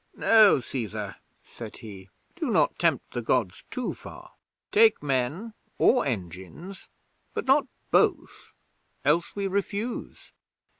'"No, Cæsar," said he. "Do not tempt the Gods too far. Take men, or engines, but not both; else we refuse."'